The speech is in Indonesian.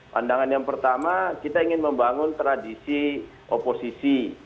pandangan yang pertama kita ingin membangun tradisi oposisi